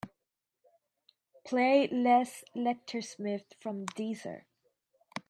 Play Les Lecter Smith from deezer.